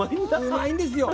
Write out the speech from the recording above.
うまいんですよ。